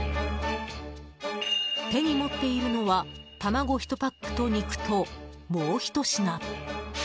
手に持っているのは卵１パックと肉ともうひと品。